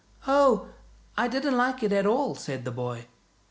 " Oh, I did not like it at all," said the boy.